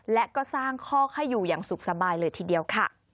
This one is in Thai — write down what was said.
และก็สร้างคอกให้อยู่อย่างสุขสบายเลยทีเดียวค่ะ